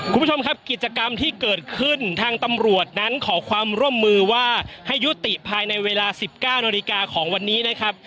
คุณผู้ชมครับกิจกรรมที่เกิดขึ้นทางตำรวจนั้นขอความร่วมมือว่าให้ยุติภายในเวลา๑๙นาฬิกาของวันนี้นะครับ